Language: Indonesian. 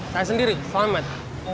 saya sendiri selamat